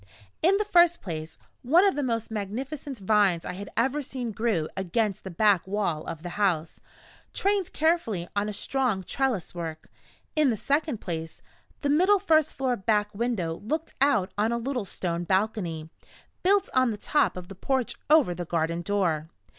In the first place, one of the most magnificent vines I had ever seen grew against the back wall of the house, trained carefully on a strong trellis work. In the second place, the middle first floor back window looked out on a little stone balcony, built on the top of the porch over the garden door.